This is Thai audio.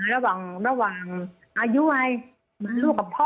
และประหว่างอายุจะสถรรพ์กับพ่อ